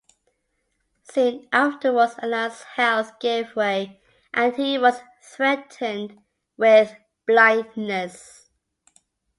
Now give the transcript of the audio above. Soon afterwards Allan's health gave way, and he was threatened with blindness.